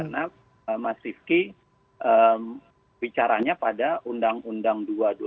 karena mas rifki bicaranya pada undang undang dua dua ribu dua puluh satu